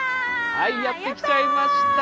はいやって来ちゃいました。